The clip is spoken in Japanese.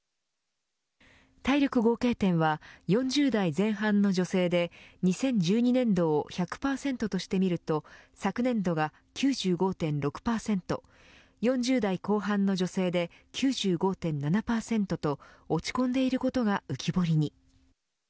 体力合計点は４０代前半の女性で２０１２年度を１００％としてみると昨年度が９５．６％４０代後半の女性で９５．７％と落ち込んでいることが浮き彫りに。